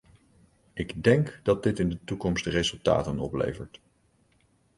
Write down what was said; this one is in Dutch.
Ik denk dat dit in de toekomst resultaten oplevert.